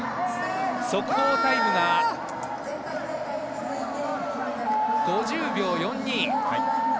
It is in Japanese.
速報タイムが５０秒４２。